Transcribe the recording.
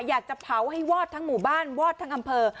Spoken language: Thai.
อยากจะเผาให้วอดทั้งหมู่บ้านวอดทั้งอำเภอ